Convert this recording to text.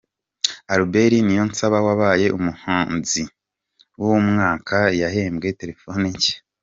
Albert Niyonsaba wabaye umuhanzi w'umwaka yahembwe terefone nshya.